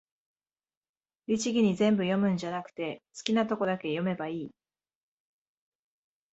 律儀に全部読むんじゃなくて、好きなとこだけ読めばいい